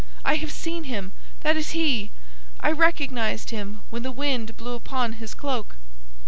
I have seen him; that is he! I recognized him when the wind blew upon his cloak."